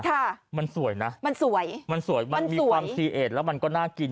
ค่ะมันสวยนะมันสวยมันสวยมันมีความซีเอสแล้วมันก็น่ากิน